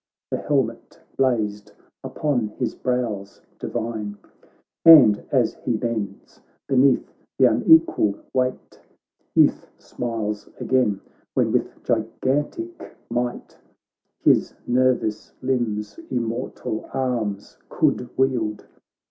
The helmet blazed upon his brows divine ; And as he bends beneath th' unequal weight Youth smiles again, when with gigantic might His nervous limbs immortal arms could wield.